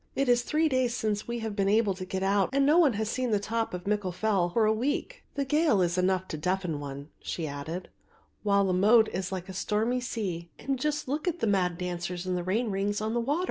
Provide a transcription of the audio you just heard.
"It is three days since we have been able to get out and no one has seen the top of Mickle Fell for a week. The gale is enough to deafen one," she added, "while the moat is like a stormy sea, and just look at the mad dancers in the rain rings on the water!"